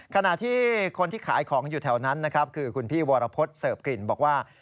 ขณะที่คนที่ขายของอยู่แถวนั้นนะครับคือคุณพี่วรพฤษเสิร์ฟกลิ่นบอกว่า